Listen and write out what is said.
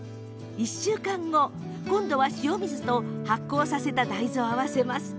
１週間後、今度は塩水と発酵させた大豆を合わせます。